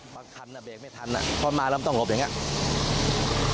บางครั้งน่ะเบรกไม่ทันน่ะพอมาเริ่มต้องหลบอย่างเงี้ย